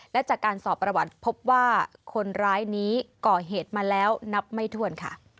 และจากการสอบประวัติพบว่าคนร้ายนี้ก่อเหตุมาแล้วนับไม่ถ้วนค่ะ